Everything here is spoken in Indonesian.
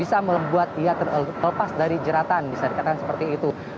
bisa membuat ia terlepas dari jeratan bisa dikatakan seperti itu